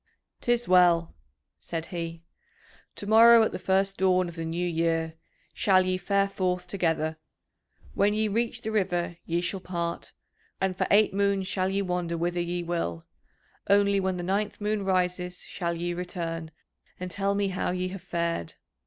"'Tis well," said he. "To morrow, at the first dawn of the new year, shall ye fare forth together; when ye reach the river ye shall part, and for eight moons shall ye wander whither ye will; only, when the ninth moon rises, shall ye return and tell me how ye have fared.